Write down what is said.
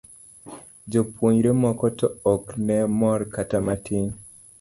Jopuonjrene moko to ok ne mor kata matin.